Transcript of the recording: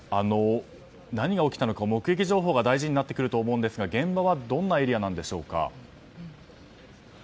何が起きたのか目撃情報が大事になってくると思いますが現場はどんなエリアなんでしょうか。